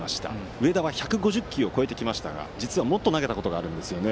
上田は１５０球を超えてきましたが実は、もっと投げたことがあるんですね。